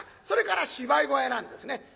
それから芝居小屋なんですね。